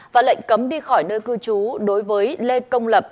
và lệnh cấm đi khỏi nơi cư trú đối với lê công lập